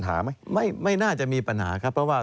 ถามไหมไม่ไม่น่าจะมีปัญหาครับเพราะว่า